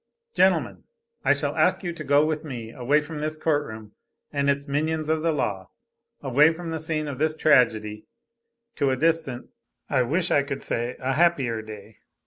"Gentlemen, I shall ask you to go with me away from this court room and its minions of the law, away from the scene of this tragedy, to a distant, I wish I could say a happier day.